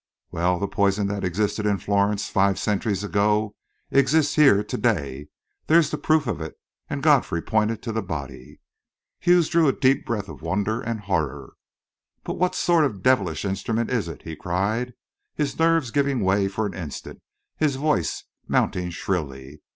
"Well, the poison that existed in Florence five centuries ago, exists here to day. There's the proof of it," and Godfrey pointed to the body. Hughes drew a deep breath of wonder and horror. "But what sort of devilish instrument is it?" he cried, his nerves giving way for an instant, his voice mounting shrilly.